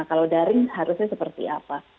kalau daring harusnya seperti apa